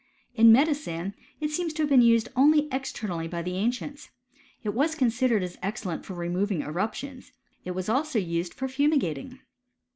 In medicine, it seems to have been only used ex ternally by the ancients. It was considered as excel lent for removing emptions. It was used also for fu migating.